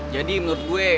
jadi menurut gue